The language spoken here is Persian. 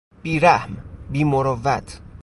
بیرحم، بیمروت